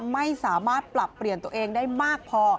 ไม่สามารถปรับเปลี่ยนตัวเองได้มากพอ